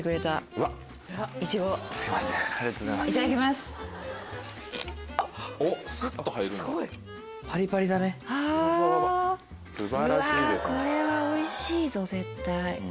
うわこれはおいしいぞ絶対。